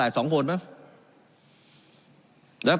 การปรับปรุงทางพื้นฐานสนามบิน